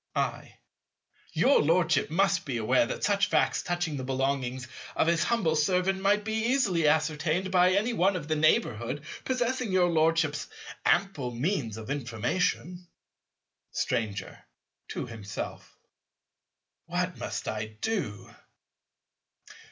I. Your Lordship must be aware that such facts touching the belongings of his humble servant might be easily ascertained by any one of the neighbourhood possessing your Lordship's ample means of information. Stranger. (to himself.) What must I do?